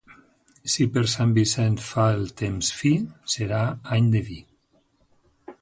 Si per Sant Vicenç fa el temps fi, serà any de vi.